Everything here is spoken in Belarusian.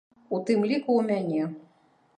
У тым ліку ў мяне.